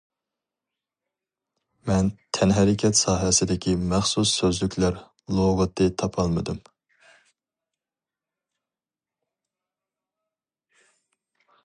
مەن تەنھەرىكەت ساھەسىدىكى مەخسۇس سۆزلۈكلەر لۇغىتى تاپالمىدىم.